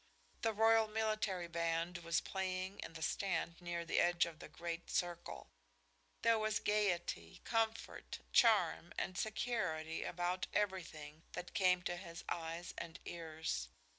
The royal military band was playing in the stand near the edge of the great circle. There was gaiety, comfort, charm and security about everything that came to his eyes and ears.